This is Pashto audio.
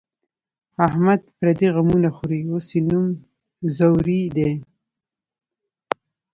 احمد پردي غمونه خوري، اوس یې نوم ځوری دی.